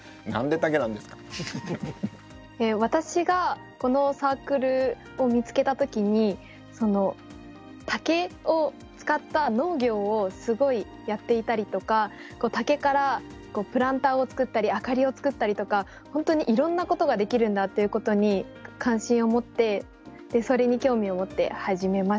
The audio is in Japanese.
私がこのサークルを見つけた時にその竹を使った農業をすごいやっていたりとか竹からプランターを作ったり明かりを作ったりとか本当にいろんなことができるんだっていうことに関心を持ってそれに興味を持って始めました。